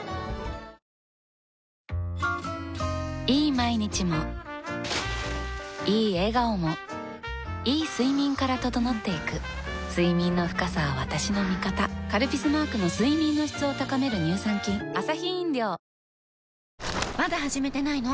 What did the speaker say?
毎日もいい笑顔もいい睡眠から整っていく睡眠の深さは私の味方「カルピス」マークの睡眠の質を高める乳酸菌まだ始めてないの？